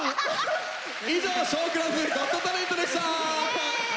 以上「ショークラズゴットタレント」でした！